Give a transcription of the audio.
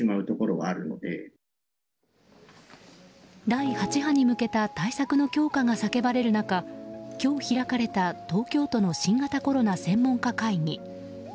第８波に向けた対策の強化が叫ばれる中今日開かれた東京都の新型コロナ専門家会議。